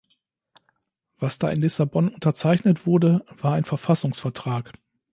Was da in Lissabon unterzeichnet wurde, war ein Verfassungsvertrag.